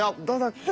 どうぞ！